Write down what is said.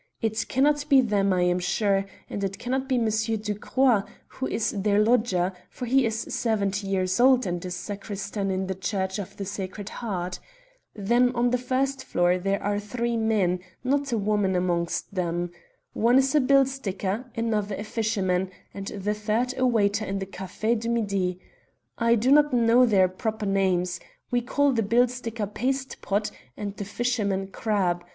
It cannot be them, I am sure, and it cannot be Monsieur Ducrot, who is their lodger, for he is seventy years old and a sacristan in the Church of the Sacred Heart. Then on the first floor there are three men, not a woman amongst them. One is a bill sticker, another a fisherman, and the third a waiter in the Café du Midi. I do not know their proper names. We call the bill sticker 'Paste pot,' and the fisherman 'Crab.'